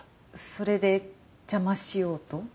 それで邪魔しようと？